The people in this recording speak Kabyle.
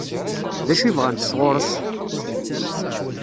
D acu i bɣant sɣur-s?